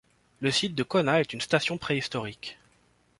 Le site de Cauna est une station préhistorique.